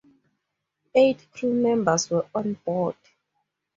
Eight crewmembers were on board.